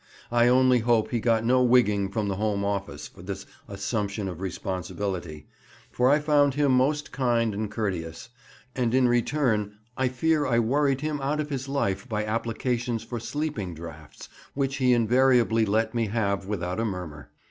I only hope he got no wigging from the Home Office for this assumption of responsibility, for I found him most kind and courteous, and in return I fear I worried him out of his life by applications for sleeping draughts, which he invariably let me have without a murmur.